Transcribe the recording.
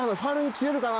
切れるかな？